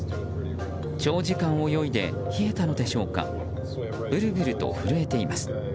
長時間泳いで冷えたのでしょうかブルブルと震えています。